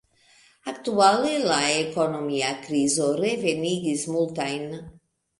Aktuale, la ekonomia krizo revenigis multajn.